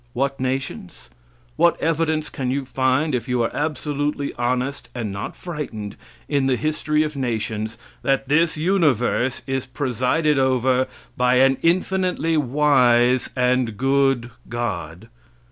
What nations? What evidence can you find, if you are absolutely honest and not frightened, in the history of nations, that this universe is presided over by an infinitely wise and good God?